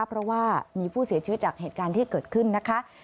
เพราะว่ามีผู้เสียชีวิตจากเหตุการณ์ที่เกิดขึ้นนะคะ